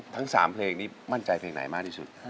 ทั้ง๓เพลงนี้มั่นใจเพลงไหนมากที่สุด